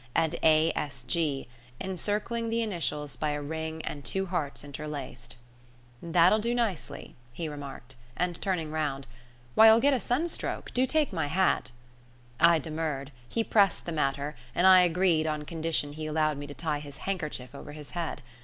and A. S. G., encircling the initials by a ring and two hearts interlaced. "That'll do nicely," he remarked, and turning round, "Why, you'll get a sunstroke; do take my hat." I demurred, he pressed the matter, and I agreed on condition he allowed me to tie his handkerchief over his head.